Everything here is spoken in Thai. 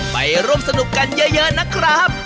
ไปร่วมสนุกกันเยอะนะครับ